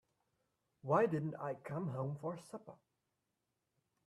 Why didn't I come home for supper?